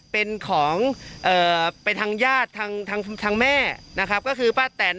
เป็นของเอ่อเป็นทางญาติทางทางทางแม่นะครับก็คือป้าแตน